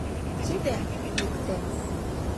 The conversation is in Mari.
Тиде — икте.